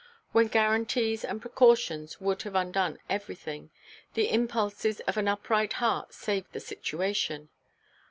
When guarantees and precautions would have undone everything, the impulses of an upright heart saved the situation.